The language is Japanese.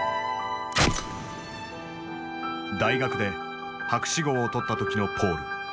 大学で博士号を取った時のポール。